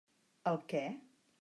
El què?